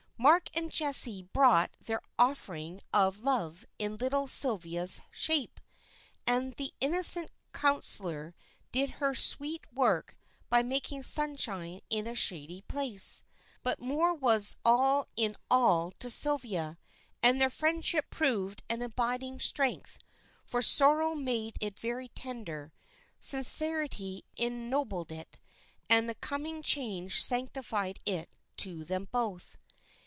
Mark and Jessie brought their offering of love in little Sylvia's shape, and the innocent consoler did her sweet work by making sunshine in a shady place. But Moor was all in all to Sylvia, and their friendship proved an abiding strength, for sorrow made it very tender, sincerity ennobled it, and the coming change sanctified it to them both.